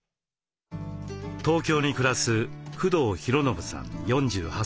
東京に暮らす工藤広伸さん４８歳。